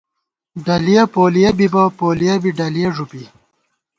ڈلِیَہ پولِیَہ بِبہ ، پولِیَہ بی ڈَلِیَہ ݫُوپی